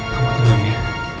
kamu tenang ya